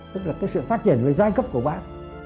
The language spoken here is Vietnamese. tức là cái sự phát triển về giai cấp của bác